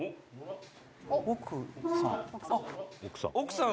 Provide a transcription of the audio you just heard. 「奥さん。